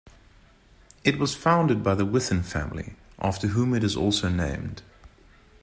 It was founded by the Whitin family, after whom it is also named.